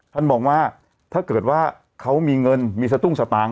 มองว่าถ้าเกิดว่าเขามีเงินมีสตุ้งสตางค